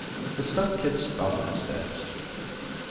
The stuff kids spout these days!